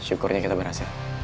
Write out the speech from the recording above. syukurnya kita berhasil